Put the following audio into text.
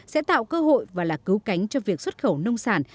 sẽ tạo cơ hội và là cứu cánh cho việc xuất khẩu nông sản